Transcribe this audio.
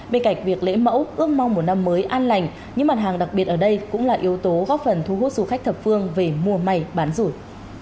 bên cạnh việc lễ mẫu ước mong một năm mới an lành những mặt hàng đặc biệt ở đây cũng là yếu tố góp phần thu hút du khách thập phương về mua may bán rủi